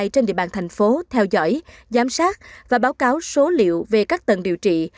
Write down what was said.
trên địa bàn thành phố theo dõi giám sát và báo cáo số liệu về các tầng điều trị